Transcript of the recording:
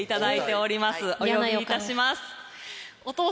お呼びいたします。